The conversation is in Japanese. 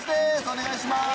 お願いします。